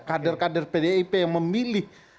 kader kader pdip yang memilih